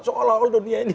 soal hal hal dunia ini